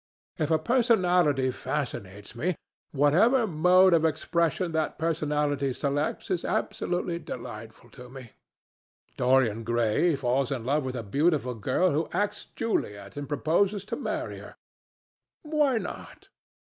If a personality fascinates me, whatever mode of expression that personality selects is absolutely delightful to me. Dorian Gray falls in love with a beautiful girl who acts Juliet, and proposes to marry her. Why not?